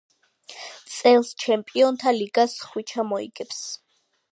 წელს ჩემპიონთა ლიგას ხვიჩა მოიგებს